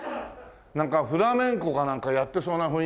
なんかフラメンコかなんかやってそうな雰囲気の。